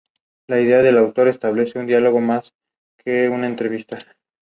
Algunos los consideran un solo idioma, aunque "Ethnologue" los considera idiomas diferentes.